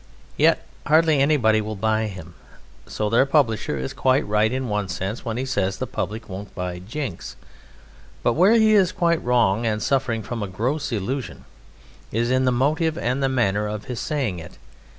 Yet hardly anybody will buy him so the publisher is quite right in one sense when he says, "The Public" won't buy Jinks. But where he is quite wrong and suffering from a gross illusion is in the motive and the manner of his saying it.